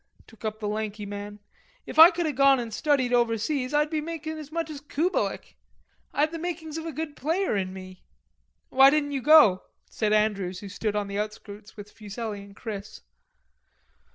took up the lanky man. "If I could have gone an' studied overseas, I'd be making as much as Kubelik. I had the makings of a good player in me." "Why don't you go?" asked Andrews, who stood on the outskirts with Fuselli and Chris.